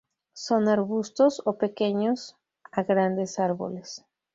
Son arbustos o pequeños a grandes árboles.